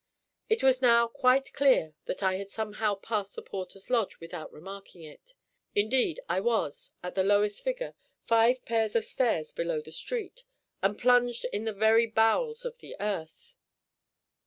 It was now quite clear that I had somehow passed the porter's lodge without remarking it; indeed, I was, at the lowest figure, five pairs of stairs below the street, and plunged in the very bowels of the earth.